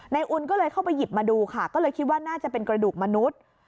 อุ่นก็เลยเข้าไปหยิบมาดูค่ะก็เลยคิดว่าน่าจะเป็นกระดูกมนุษย์